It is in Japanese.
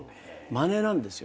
まねなんですよ